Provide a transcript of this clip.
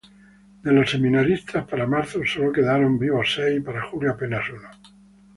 De los seminaristas, para marzo solo quedaron vivos seis y para julio apenas uno.